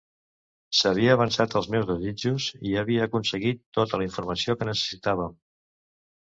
S'havia avançat als meus desitjos i havia aconseguit tota la informació que necessitàvem.